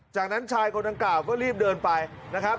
จากนั้นชายคนดังกล่าวก็รีบเดินไปนะครับ